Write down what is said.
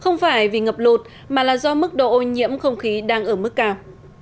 ngập lột mà là do mức độ ô nhiễm không khí đang ở mức cao